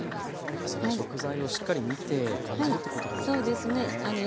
要はそれは食材をしっかり見て感じるということかもしれませんもんね。